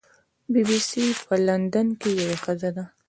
بی بي سي په لندن کې یوه ښځه ده.